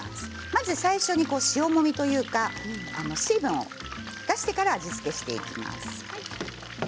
まず最初に塩もみというか水分を出してから味付けをしていきます。